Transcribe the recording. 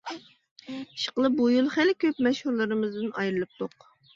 ئىشقىلىپ بۇ يىل خېلى كۆپ مەشھۇرلىرىمىزدىن ئايرىلىپتۇق.